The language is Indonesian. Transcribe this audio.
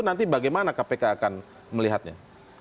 nanti bagaimana kpk akan melihatnya